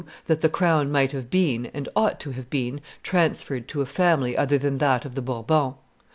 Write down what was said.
That the crown might have been, and ought to have been, transferred to a family other than that of the Bourbons; 3.